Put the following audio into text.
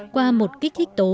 qua một kích thích tố